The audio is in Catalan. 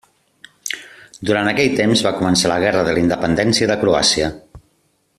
Durant aquell temps va començar la guerra de la independència de Croàcia.